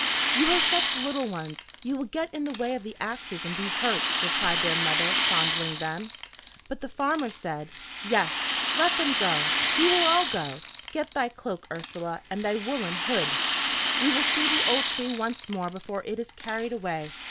"You are such little ones, you will get in the way of the axes and be hurt," replied their mother, fondling them. But the farmer said, "Yes, let them go; we will all go. Get thy cloak, Ursula, and thy woollen hood. We will see the old tree once more before it is carried away.